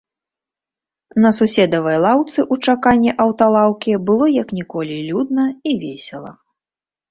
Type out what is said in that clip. На суседавай лаўцы ў чаканні аўталаўкі было як ніколі людна і весела.